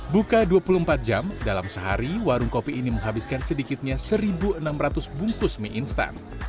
buka dua puluh empat jam dalam sehari warung kopi ini menghabiskan sedikitnya satu enam ratus bungkus mie instan